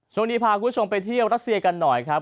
ช่วงนี้พาคุณผู้ชมไปเที่ยวรัสเซียกันหน่อยครับ